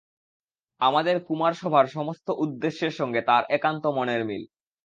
আমাদের কুমারসভার সমস্ত উদ্দেশ্যের সঙ্গে তাঁর একান্ত মনের মিল।